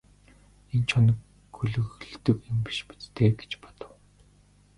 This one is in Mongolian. Энд чоно гөлөглөдөг юм биш биз дээ гэж бодов.